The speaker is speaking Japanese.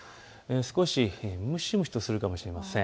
少し蒸し蒸しとするかもしれません。